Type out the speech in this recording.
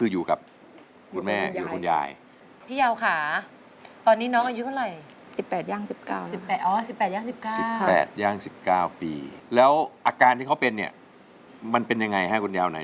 อ๋อ๑๘ย่าง๑๙ปีแล้วอาการที่เขาเป็นมันเป็นอย่างไรครับคุณยาว